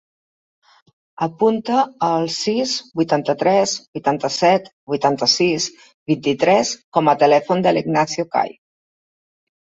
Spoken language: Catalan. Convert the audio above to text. Apunta el sis, vuitanta-tres, vuitanta-set, vuitanta-sis, vint-i-tres com a telèfon de l'Ignacio Cai.